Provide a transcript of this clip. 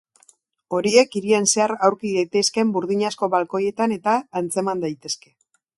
Horiek hirian zehar aurki daitezkeen burdinazko balkoietan eta antzeman daitezke.